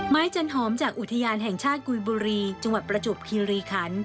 จันหอมจากอุทยานแห่งชาติกุยบุรีจังหวัดประจวบคิริคัน